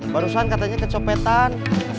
barusan katanya kecopetan